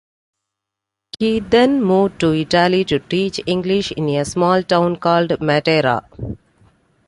He then moved to Italy to teach English in a small town called Matera.